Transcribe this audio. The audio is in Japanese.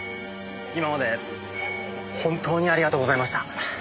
今まで本当にありがとうございました。